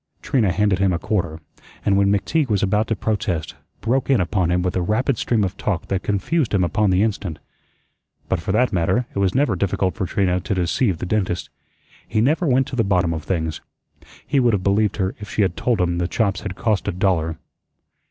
Trina handed him a quarter; and when McTeague was about to protest, broke in upon him with a rapid stream of talk that confused him upon the instant. But for that matter, it was never difficult for Trina to deceive the dentist. He never went to the bottom of things. He would have believed her if she had told him the chops had cost a dollar.